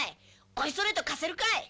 「おいそれと貸せるかい」